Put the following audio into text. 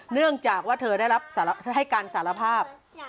เนื่องจากว่าเธอได้รับให้การสารภาพ